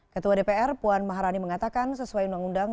ketua dpr puan maharani mengatakan sesuai undang undang